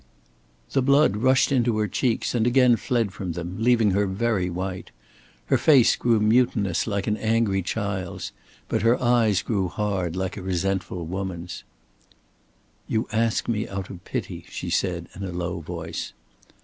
The blood rushed into her cheeks and again fled from them, leaving her very white. Her face grew mutinous like an angry child's, but her eyes grew hard like a resentful woman's. "You ask me out of pity," she said, in a low voice.